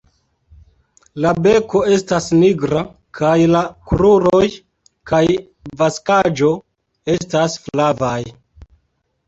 La beko estas nigra kaj la kruroj kaj vaksaĵo estas flavaj.